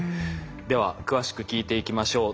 では詳しく聞いていきましょう。